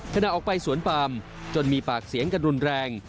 ขณะออกไปสวนปามจนมีปากเสียงกันรุนแรง